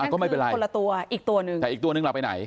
ก็ไม่เป็นไรแต่อีกตัวนึงละไปไหน